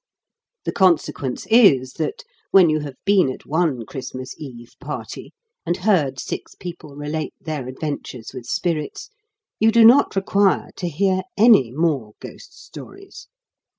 The consequence is that, when you have been at one Christmas Eve party, and heard six people relate their adventures with spirits, you do not require to hear any more ghost stories.